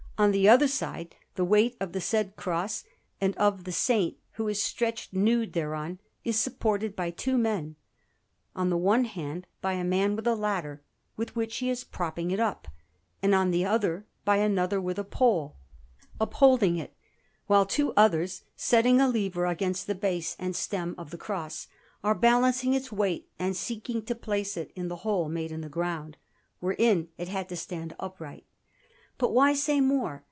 On the other side the weight of the said cross and of the Saint who is stretched nude thereon is supported by two men, on the one hand by a man with a ladder, with which he is propping it up, and on the other hand by another with a pole, upholding it, while two others, setting a lever against the base and stem of the cross, are balancing its weight and seeking to place it in the hole made in the ground, wherein it had to stand upright. But why say more?